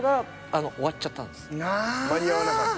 間に合わなかった。